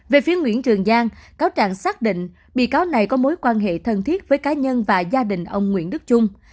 về phía nguyễn trường giang cáo trạng xác định bị cáo này có mối quan hệ thân thiết với cá nhân và gia đình ông nguyễn đức trung